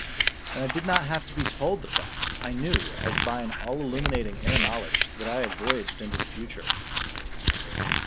And I did not have to be told the fact; I knew, as by an all illuminating inner knowledge, that I had voyaged into the future.